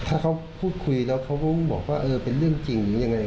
ถ้าเขาพูดคุยแล้วเขาบอกว่าเออเป็นเรื่องจริงหรือยังไง